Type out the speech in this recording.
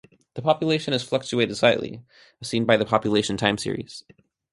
The population has fluctuated slightly, as seen by the population time series.